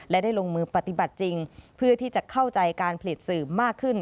และได้ลงมือปฏิบัติจริงเพื่อที่จะเข้าใจการผลิตสื่อมากขึ้น